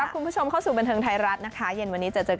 คุณผู้ชมเข้าสู่บันเทิงไทยรัฐนะคะเย็นวันนี้จะเจอกัน